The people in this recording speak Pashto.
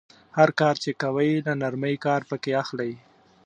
هر کار چې کوئ له نرمۍ کار پکې اخلئ.